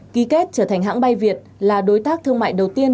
ký kết trở thành hãng bay việt là đối tác thương mại đầu tiên